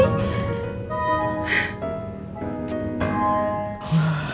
gitu dong ren